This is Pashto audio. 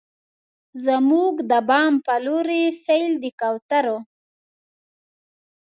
زموږ د بام په لورې، سیل د کوترو